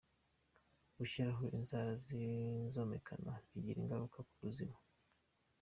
Gushyiraho inzara z’inzomekano bigira ingaruka ku buzima